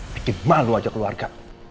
bikin malu aja keluarga